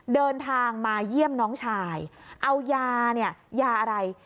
เดินทางมาเยี่ยมน้องชายเอายาเนี่ยยาอะไร